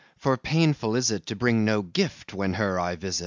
For painful is it To bring no gift when her I visit.